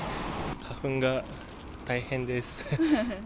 花粉が大変です。